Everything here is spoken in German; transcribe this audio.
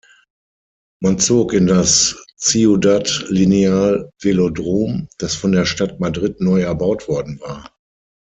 Man zog in das Ciudad-Lineal-Velodrom, das von der Stadt Madrid neu erbaut worden war.